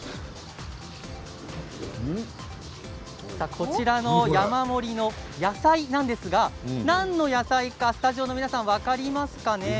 こちらの山盛りの野菜なんですが何の野菜かスタジオの皆さん分かりますか？